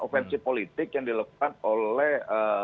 ofensi politik yang dilakukan oleh